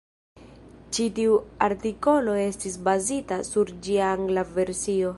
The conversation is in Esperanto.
Ĉi tiu artikolo estis bazita sur ĝia angla versio.